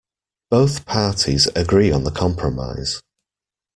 Both parties agree on the compromise.